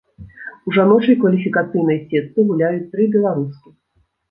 У жаночай кваліфікацыйнай сетцы гуляюць тры беларускі.